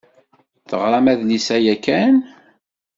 Teɣṛam adlis-a yakan?